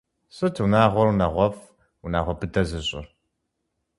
Сыт унагъуэр унагъуэфӏ, унагъуэ быдэ зыщӏыр?